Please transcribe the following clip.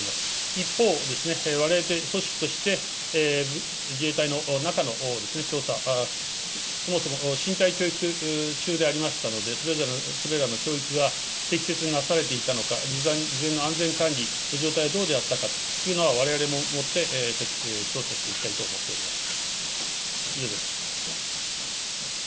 一方ですね、われわれ組織として、自衛隊の中の調査、そもそも新隊員教育中でありましたので、それらの教育が適切になされていたのか、事前の安全管理の状態はどうであったのかというのは、われわれをもって調査していきたいと思っております。